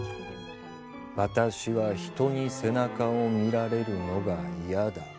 私は人に背中を見られるのが嫌だ。